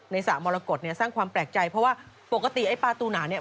สระมรกฏเนี่ยสร้างความแปลกใจเพราะว่าปกติไอ้ปลาตูหนาเนี่ย